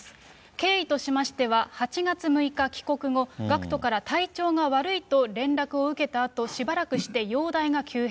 経緯としましては、８月６日帰国後、ＧＡＣＫＴから体調が悪いと連絡を受けたあと、しばらくして容体が急変。